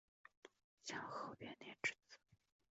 享和元年之子。